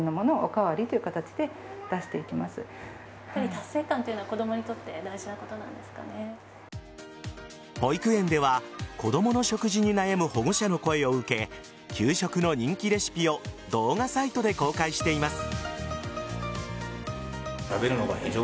達成感というのは子供にとって保育園では、子供の食事に悩む保護者の声を受け給食の人気レシピを動画サイトで公開しています。